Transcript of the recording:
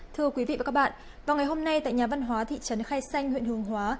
thưa quý vị và các bạn vào ngày hôm nay tại nhà văn hóa thị trấn khai xanh huyện hướng hóa